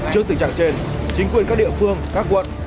trước tình trạng trên chính quyền các địa phương các quận